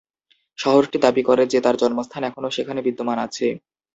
শহরটি দাবি করে যে তার জন্মস্থান এখনও সেখানে বিদ্যমান আছে।